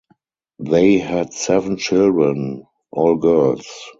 They had seven children, all girls.